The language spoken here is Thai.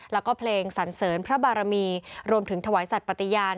แล้วก็เพลงสันเสริญพระบารมีรวมถึงถวายสัตว์ปฏิญาณ